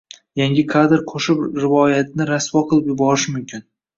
Yangi kadr qoʻshib rivoyatni rasvo qilib yuborish mumkin.